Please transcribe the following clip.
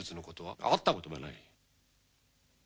会ったこともない！